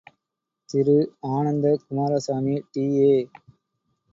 Thiru, Ananda Kumarasamy TA.